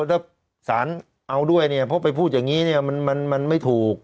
ถ้าสารเอาด้วยเนี่ยเพราะไปพูดอย่างนี้เนี่ยมันไม่ถูก